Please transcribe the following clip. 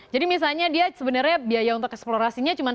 jadi misalnya dia sebenarnya biaya untuk eksplorasinya cuma satu miliar